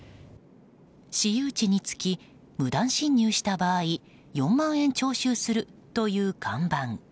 私有地につき無断進入した場合４万円徴収するという看板。